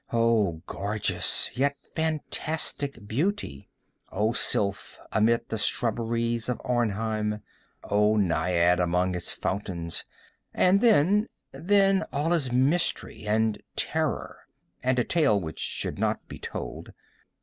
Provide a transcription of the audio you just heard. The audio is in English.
Oh, gorgeous yet fantastic beauty! Oh, sylph amid the shrubberies of Arnheim! Oh, Naiad among its fountains! And then—then all is mystery and terror, and a tale which should not be told.